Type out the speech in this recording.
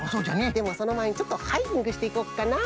でもそのまえにちょっとハイキングしていこっかな。